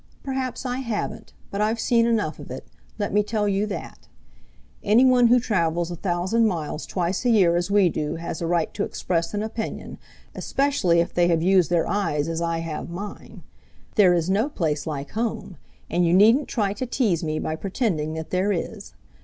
Perhaps I haven't, but I've seen enough of it, let me tell you that! Anyone who travels a thousand miles twice a year as we do has a right to express an opinion, especially if they have used their eyes as I have mine. There is no place like home, and you needn't try to tease me by pretending that there is.